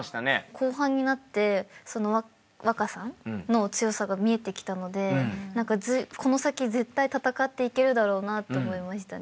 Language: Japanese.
後半になって稚さんの強さが見えてきたのでこの先絶対戦っていけるだろうなと思いましたね。